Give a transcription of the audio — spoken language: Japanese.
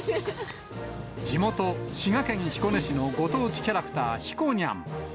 地元、滋賀県彦根市のご当地キャラクター、ひこにゃん。